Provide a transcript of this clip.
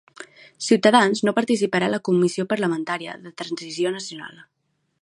Ciutadans no participarà a la comissió parlamentària de transició nacional.